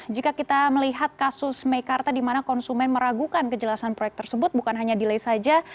jika kita melihat kasus meikarta di mana konsumen meragukan kejelasan proyek tersebut bukan hanya delay saja